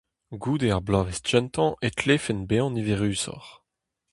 Goude ar bloavezh kentañ e tlefent bezañ niverusoc'h.